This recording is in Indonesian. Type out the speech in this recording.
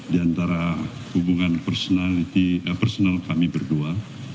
di antara hubungan personal kami berdua